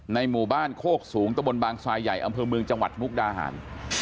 หมู่บ้านโคกสูงตะบนบางทรายใหญ่อำเภอเมืองจังหวัดมุกดาหาร